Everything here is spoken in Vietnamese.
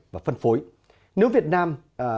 và phân phối nếu việt nam